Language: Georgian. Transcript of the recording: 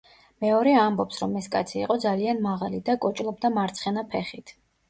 მეორე ამბობს, რომ ეს კაცი იყო ძალიან მაღალი და კოჭლობდა მარცხენა ფეხით.